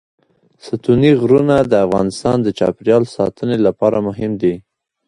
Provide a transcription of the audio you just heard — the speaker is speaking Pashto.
ستوني غرونه د افغانستان د چاپیریال ساتنې لپاره مهم دي.